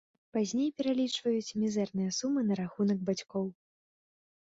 Пазней пералічваюць мізэрныя сумы на рахунак бацькоў.